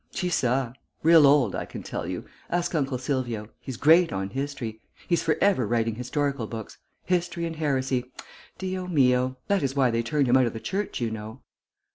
"Chi sa? Real old, I can tell you. Ask Uncle Silvio. He's great on history. He's for ever writing historical books. History and heresy Dio mio! That is why they turned him out of the Church, you know."